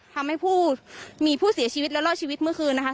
ทำให้ผู้มีผู้เสียชีวิตและรอดชีวิตเมื่อคืนนะคะ